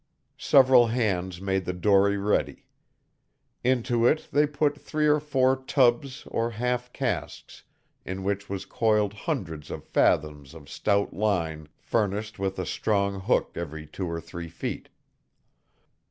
Several hands made the dory ready. Into it they put three or four tubs or half casks in which was coiled hundreds of fathoms of stout line furnished with a strong hook every two or three feet.